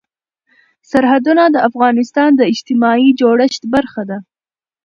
سرحدونه د افغانستان د اجتماعي جوړښت برخه ده.